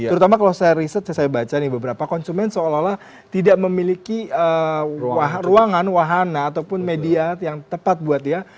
terutama kalau saya riset saya baca nih beberapa konsumen seolah olah tidak memiliki ruangan wahana ataupun media yang tepat buat dia